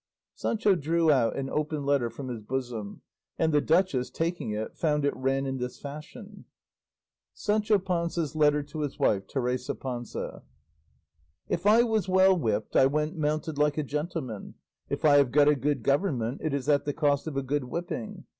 Sancho drew out an open letter from his bosom, and the duchess, taking it, found it ran in this fashion: SANCHO PANZA'S LETTER TO HIS WIFE, TERESA PANZA If I was well whipped I went mounted like a gentleman; if I have got a good government it is at the cost of a good whipping.